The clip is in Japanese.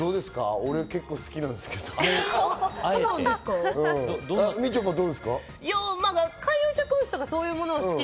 俺、結構好きなんですけど、どうですか？